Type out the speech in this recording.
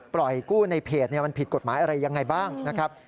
ปล่อยกู้ในเพจมันผิดกฎหมายอะไรยังไงบ้างนะครับ